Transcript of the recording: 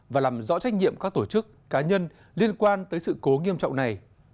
và làm rõ trách nhiệm các tổ chức cá nhân liên quan tới sự cố nghiêm trọng này